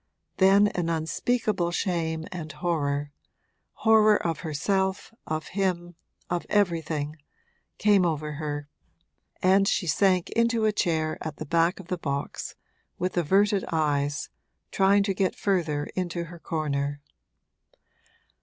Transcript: Then an unspeakable shame and horror horror of herself, of him, of everything came over her, and she sank into a chair at the back of the box, with averted eyes, trying to get further into her corner.